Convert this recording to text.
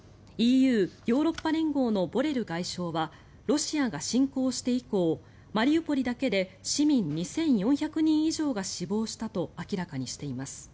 ＥＵ・ヨーロッパ連合のボレル外相はロシアが侵攻して以降マリウポリだけで市民２４００人以上が死亡したと明らかにしています。